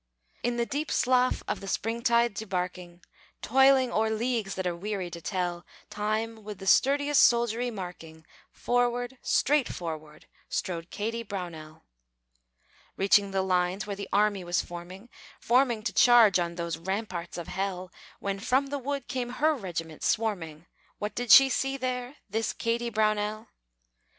In the deep slough of the springtide debarking, Toiling o'er leagues that are weary to tell, Time with the sturdiest soldiery marking, Forward, straight forward, strode Kady Brownell. Reaching the lines where the army was forming, Forming to charge on those ramparts of hell, When from the wood came her regiment swarming, What did she see there this Kady Brownell?